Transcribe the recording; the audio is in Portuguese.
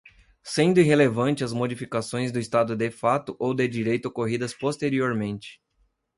sendo irrelevantes as modificações do estado de fato ou de direito ocorridas posteriormente